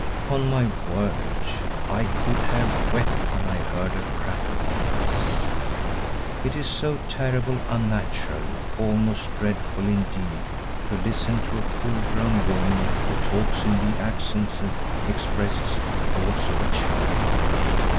Upon my word I could have wept when I heard her prattle on thus. It is so terribly unnatural, almost dreadful indeed, to listen to a full grown woman who talks in the accents and expresses the thoughts of a child.